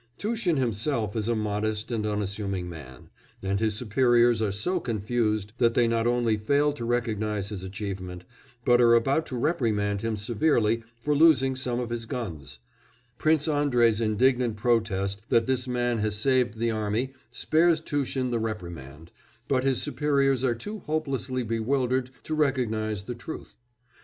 Tushin himself is a modest and unassuming man, and his superiors are so confused that they not only fail to recognise his achievement, but are about to reprimand him severely for losing some of his guns; Prince Andrei's indignant protest that this man has saved the army spares Tushin the reprimand, but his superiors are too hopelessly bewildered to recognise the truth.